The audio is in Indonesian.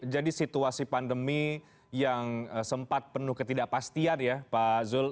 jadi situasi pandemi yang sempat penuh ketidakpastian ya pak zul